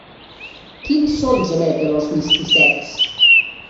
Quins sons emeten els misticets?